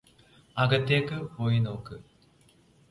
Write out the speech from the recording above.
അകത്തേക്ക് പോയി നോക്ക്